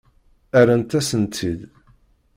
Rrant-as-ten-id.